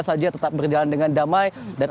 saja tetap berjalan dengan damai dan